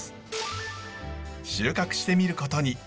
収穫してみることに。